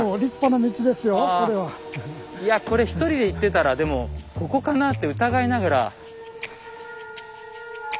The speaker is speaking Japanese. いやこれ１人で行ってたらでもここかなって疑いながら。